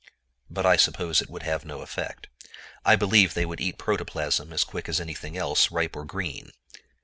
But I suppose it would have no effect. I believe they would eat protoplasm as quick as anything else, ripe or green.